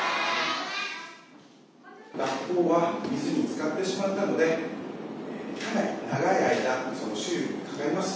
学校は水につかってしまったので、かなり長い間、修理にかかります。